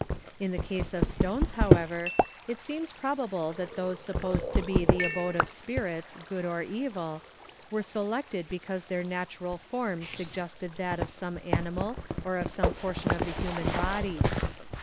In the case of stones, however, it seems probable that those supposed to be the abode of spirits, good or evil, were selected because their natural form suggested that of some animal or of some portion of the human body.